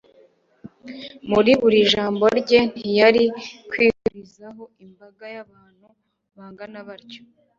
muri buri jambo rye, ntiyari kwihurizaho imbaga y'abantu bangana batyo.